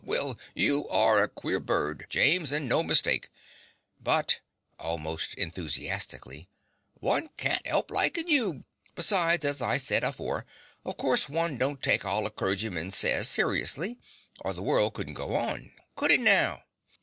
Well, you ARE a queer bird, James, and no mistake. But (almost enthusiastically) one carnt 'elp likin' you; besides, as I said afore, of course one don't take all a clorgyman says seriously, or the world couldn't go on. Could it now?